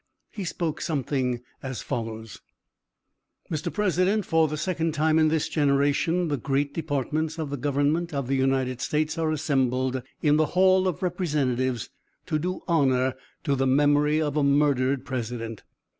He spoke something as follows: "Mr. President: For the second time in this generation the great departments of the government of the United States are assembled in the Hall of Representatives to do honor to the memory of a murdered president.